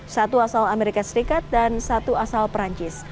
satu asal amerika serikat dan satu asal perancis